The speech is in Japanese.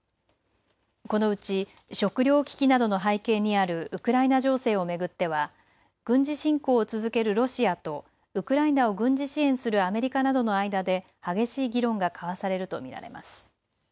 このうち食料危機などの背景にあるウクライナ情勢を巡っては軍事侵攻を続けるロシアとウクライナを軍事支援するアメリカなどの間で激しい議論が交わされると見られます。